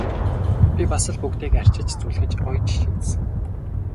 Би бас л бүгдийг арчиж зүлгэж оёж шидсэн!